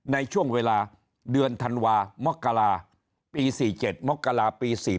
ในช่วงเวลาเดือนธันวาธุ์มกราศาสตร์ปี๔๗มกราศาสตร์ปี๔๘